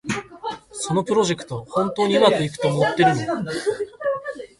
そのプロジェクト、本当にうまくいくと思ってるの？